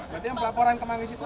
berarti pelaporan kemarin di situ